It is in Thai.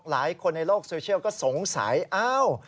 หลายคนในโลกโซเชียลก็สงสัยอ้าว